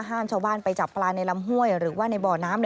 ชาวบ้านไปจับปลาในลำห้วยหรือว่าในบ่อน้ำ